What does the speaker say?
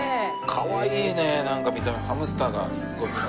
かわいいねなんか見た目ハムスターが５匹も。